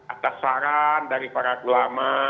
atas saran dari para ulama